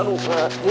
aduh ini kacauan